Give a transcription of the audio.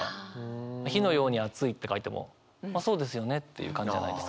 「火のように熱い」って書いてもあっそうですよねっていう感じじゃないですか。